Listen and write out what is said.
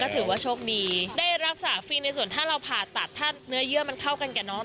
ถือว่าโชคดีได้รักษาฟรีในส่วนถ้าเราผ่าตัดถ้าเนื้อเยื่อมันเข้ากันกับน้อง